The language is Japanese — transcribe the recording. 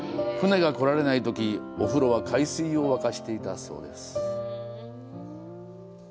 船が来られないとき、お風呂は海水を沸かしていたそうです。